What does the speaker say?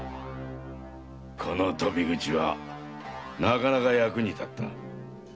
この鳶口はのなかなか役に立った。